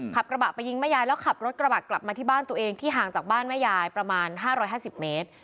ขับกระบะไปยิงแม่ยายแล้วขับรถกระบะกลับมาที่บ้านตัวเองที่ห่างจากบ้านแม่ยายประมาณ๕๕๐เมตร